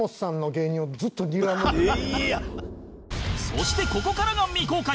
そしてここからが未公開